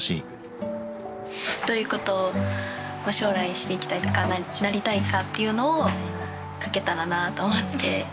どういうことを将来していきたいかなりたいかっていうのを書けたらなと思って。